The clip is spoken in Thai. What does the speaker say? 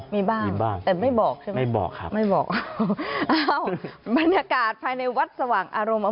แต่ไม่บอกใช่ไหมไม่บอกครับอ้าวบรรยากาศภายในวัดสว่างอารมณ์